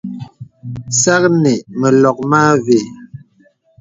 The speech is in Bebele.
Sàknə məlɔk mə àvə.